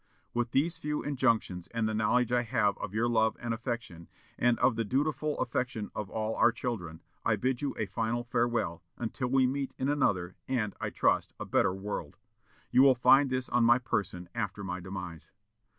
"With these few injunctions and the knowledge I have of your love and affection, and of the dutiful affection of all our children, I bid you a final farewell, until we meet in another, and, I trust, a better world. You will find this on my person after my demise."